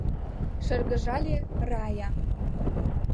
— Шыргыжале Рая.